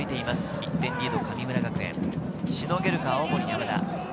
１点リード、神村学園しのげるか。